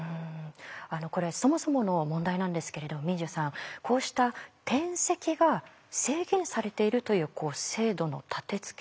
これそもそもの問題なんですけれど毛受さんこうした転籍が制限されているという制度の立てつけ